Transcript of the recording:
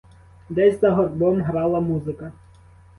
Десь за горбом грала музика.